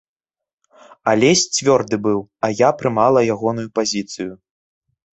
Алесь цвёрды быў, а я прымала ягоную пазіцыю.